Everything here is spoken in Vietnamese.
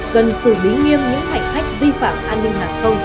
cần xử lý nghiêm những hành khách vi phạm an ninh hàng không